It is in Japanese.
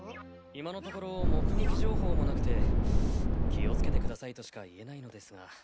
今のところ目撃情報もなくて気をつけてくださいとしか言えないのですが。